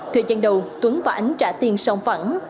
thời gian đầu tuấn và ánh trả tiền song phẳng